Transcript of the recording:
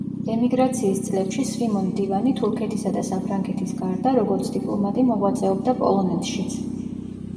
ემიგრაციის წლებში სვიმონ მდივანი თურქეთისა და საფრანგეთის გარდა, როგორც დიპლომატი მოღვაწეობდა პოლონეთშიც.